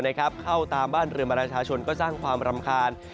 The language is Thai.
เข้าตามบ้านเรือนประชาชนก็สร้างความรำคาญ